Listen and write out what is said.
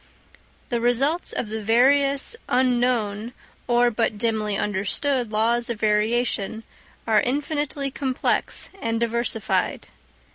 The results of the various, unknown, or but dimly understood laws of variation are infinitely complex and diversified.